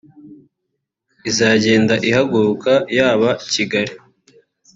izagendaga zihaguruka yaba Kigali